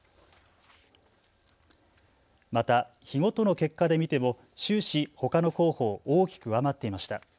また日ごとの結果で見ても終始、ほかの候補を大きく上回っていました。